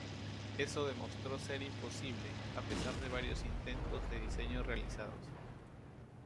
Eso demostró ser imposible, a pesar de varios intentos de diseño realizados.